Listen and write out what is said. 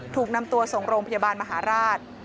ถูกนำตัวส่งโรงพยาบาลมหาราช